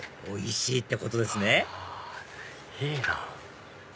おいしいってことですねいいなぁ。